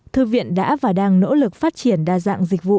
thư viện đã và đang nỗ lực phát triển đa dạng dịch vụ